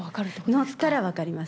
乗ったら分かります。